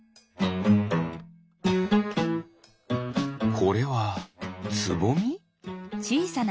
これはつぼみ？